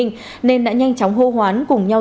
nên đã nhanh chóng hô hoán cùng nhau